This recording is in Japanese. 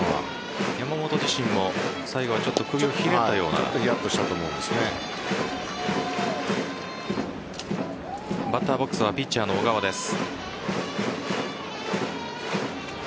山本自身も最後はちょっとちょっとバッターボックスはピッチャーの小川です。